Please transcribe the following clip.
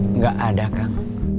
enggak ada kang